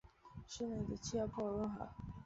市内的气候颇为温和。